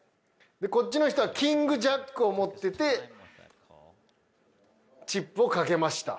こっちの人はキングジャックを持っててチップを賭けました。